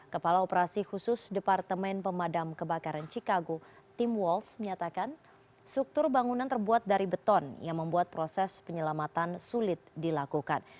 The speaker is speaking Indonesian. kepala operasi khusus departemen pemadam kebakaran chicago tim wals menyatakan struktur bangunan terbuat dari beton yang membuat proses penyelamatan sulit dilakukan